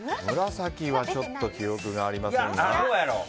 紫はちょっと記憶がありませんが。